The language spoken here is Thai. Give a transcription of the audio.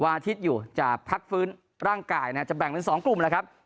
วาทิตย์อยู่จะพักฟื้นร่างกายจะแบ่งเป็น๒กลุ่ม